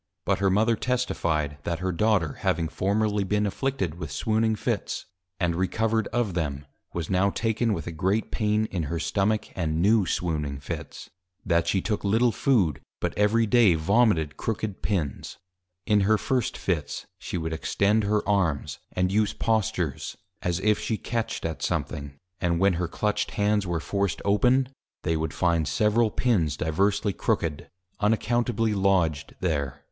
But her Mother Testifi'd, that her Daughter having formerly been Afflicted with Swooning Fits, and Recovered of them; was now taken with a great Pain in her Stomach; and New Swooning Fits. That she took little Food, but every Day Vomited Crooked Pins. In her first Fits, she would Extend her Arms, and use Postures, as if she catched at something, and when her Clutched Hands were forced open, they would find several Pins diversely Crooked, unaccountably lodged there.